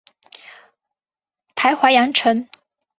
治淮阳城。